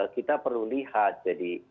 kita perlu lihat jadi